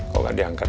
kok gak diangkat